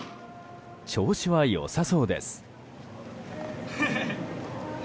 調子は良さそうです。